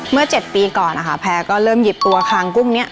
เมื่อเจ็ดปีก่อนนะคะแพวก็เริ่มหยิบตัวขังกุ้งเนี้ย